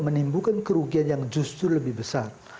menimbulkan kerugian yang justru lebih besar